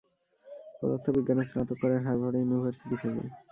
পদার্থবিজ্ঞানে স্নাতক করেন হার্ভার্ড ইউনিভার্সিটি থেকে।